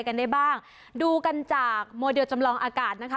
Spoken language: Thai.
กันได้บ้างดูกันจากโมเดลจำลองอากาศนะคะ